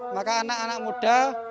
maka anak anak muda